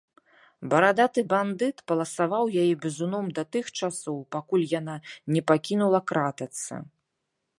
Барадаты бандыт паласаваў яе бізуном да тых часоў, пакуль яна не пакінула кратацца.